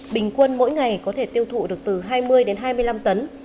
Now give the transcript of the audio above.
bình quân mỗi ngày có thể tiêu thụ được từ hai mươi đến hai mươi năm tấn